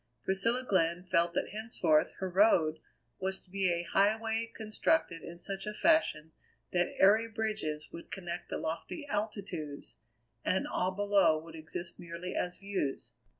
Priscilla Glenn felt that henceforth her Road was to be a highway constructed in such a fashion that airy bridges would connect the lofty altitudes, and all below would exist merely as views.